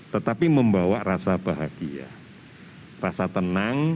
tetapi membawa rasa bahagia rasa tenang